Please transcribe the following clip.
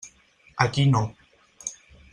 Aquí no.